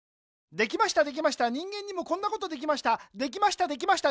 できましたできました人間にもこんなことできました。